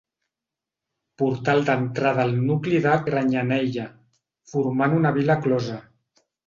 Portal d'entrada al nucli de Granyanella, formant una vila closa.